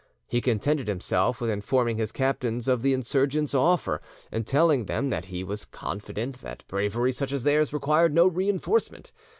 He contented himself with informing his captains of the insurgents' offer, and telling them that he was confident that bravery such as theirs required no reinforcement.